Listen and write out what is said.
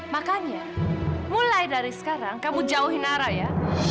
makanya mulai dari sekarang kamu jauhi nara ya